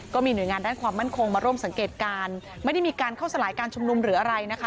หน่วยงานด้านความมั่นคงมาร่วมสังเกตการณ์ไม่ได้มีการเข้าสลายการชุมนุมหรืออะไรนะคะ